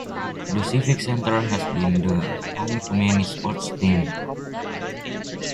The Civic Center has been the home to many sports teams.